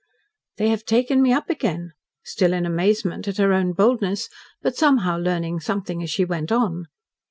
"They have taken me up again." Still in amazement at her own boldness, but somehow learning something as she went on.